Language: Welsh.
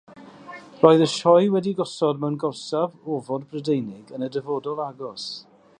Roedd y sioe wedi'i gosod mewn gorsaf ofod Brydeinig yn y dyfodol agos.